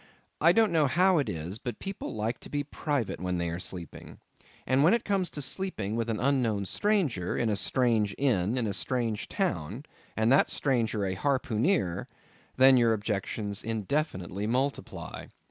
I don't know how it is, but people like to be private when they are sleeping. And when it comes to sleeping with an unknown stranger, in a strange inn, in a strange town, and that stranger a harpooneer, then your objections indefinitely multiply.